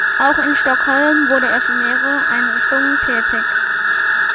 Auch in Stockholm wurde er für mehrere Einrichtungen tätig.